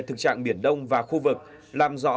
thực trạng biển đông và khu vực làm rõ